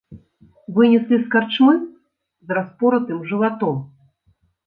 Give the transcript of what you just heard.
Вынеслі з карчмы з распоратым жыватом.